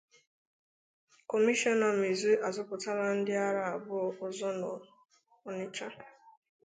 Komishọna Mezue Azọpụtala Ndị Ara Abụọ Ọzọ n'Onitsha